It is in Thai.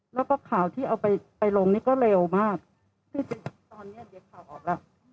แล้วก็ข่าวที่เอาไปไปลงนี่ก็เร็วมากจริงตอนเนี้ยเดี๋ยวข่าวออกแล้ว